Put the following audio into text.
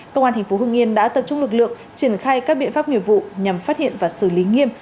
cơ quan tp hưng yên đã tập trung lực lượng triển khai các biện pháp nghiệp vụ nhằm phát hiện và xử lý nghiêm